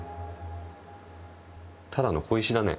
ただの小石だね。